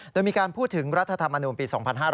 โดยมีการพูดถึงรัฐธรรมนูลปี๒๕๕๙